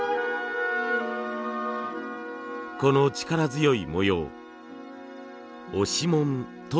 この力強い模様押紋といいます。